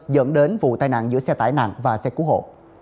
dẫn đến vụ tai nạn giữa xe tải nặng và xe cứu hộ